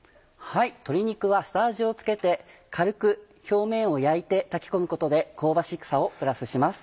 鶏肉は下味を付けて軽く表面を焼いて炊き込むことで香ばしさをプラスします。